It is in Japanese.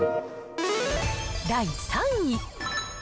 第３位。